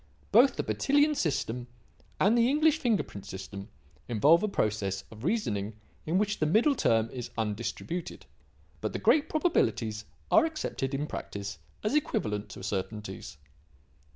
Both the Bertillon system and the English fingerprint system involve a process of reasoning in which the middle term is undistributed. But the great probabilities are accepted in practice as equivalent to certainties."